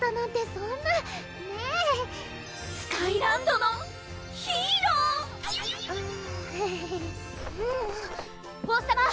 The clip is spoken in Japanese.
そんなねぇスカイランドのヒーロー王さま！